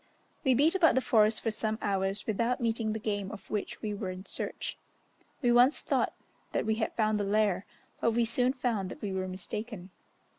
We beat about the forest for some hours without meeting the game of which we were in search. We once thought that we had found the lair, but we soon found that we were mistaken.